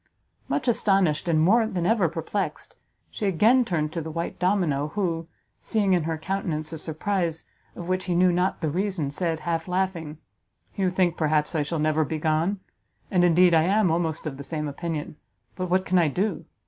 Much astonished, and more than ever perplexed, she again turned to the white domino, who, seeing in her countenance a surprise of which he knew not the reason, said, half laughing, "You think, perhaps, I shall never be gone? And indeed I am almost of the same opinion; but what can I do?